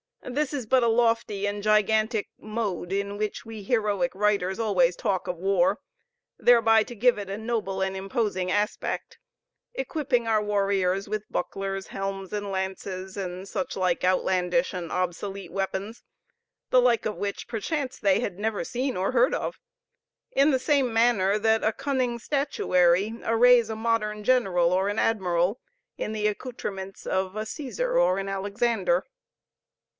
This is but a lofty and gigantic mode, in which we heroic writers always talk of war, thereby to give it a noble and imposing aspect; equipping our warriors with bucklers, helms, and lances, and such like outlandish and obsolete weapons, the like of which perchance they had never seen or heard of; in the same manner that a cunning statuary arrays a modern general or an admiral in the accoutrements of a Cæsar or an Alexander.